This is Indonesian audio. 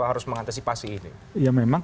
harus mengantisipasi ini ya memang